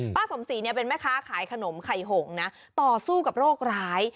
ป้าสมศรีเป็นแม่ค้าขายขนมไข่หงต่อสู้กับโรคร้าย